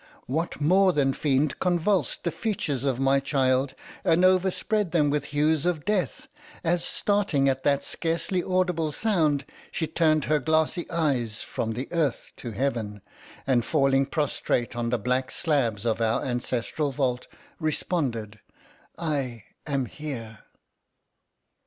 What more than fiend convulsed the features of my child, and overspread them with hues of death, as starting at that scarcely audible sound, she turned her glassy eyes from the earth to heaven, and falling prostrate on the black slabs of our ancestral vault, responded—"I am here!"